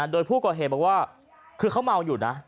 โดยผู้ก่อเหตุบอกว่าคือเขาเมาอยู่นะ